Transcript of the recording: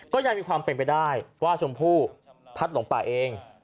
ก็ยังมีความเป็นไปได้ว่าชมพู่พัดหลงป่าเอง